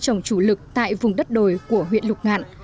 trồng chủ lực tại vùng đất đồi của huyện lục ngạn